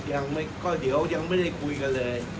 ไม่ท่านนายกก็เดี๋ยวยังไม่ได้คุยกันเลย